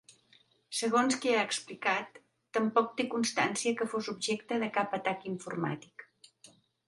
Segons que ha explicat, tampoc té constància que fos objecte de cap atac informàtic.